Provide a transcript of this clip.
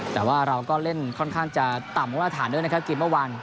แต่ว่าเราก็เล่นค่อนข้างจะต่ำมาตรฐานด้วยนะครับเกมเมื่อวาน